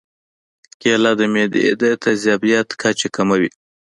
کېله د معدې د تیزابیت کچه کموي.